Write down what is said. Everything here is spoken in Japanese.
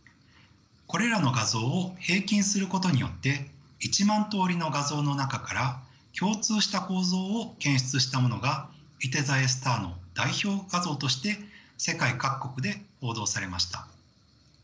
これらの画像を平均することによって１万通りの画像の中から共通した構造を検出したものがいて座Ａスターの代表画像として世界各国で報道されました。